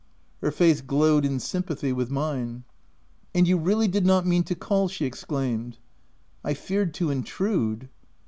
Her face glowed in sympathy with mine. ■ "And you really did not mean to call?'' she exclaimed. " I feared to intrude."